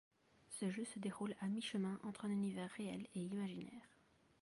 Ce jeu se déroule à mi-chemin entre un univers réel et imaginaire.